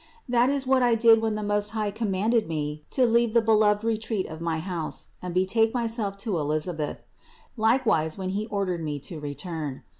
That is what I did when the Most High commanded me to leave the beloved retreat of my house and betake myself to Elisabeth; likewise, when he or dered me to return.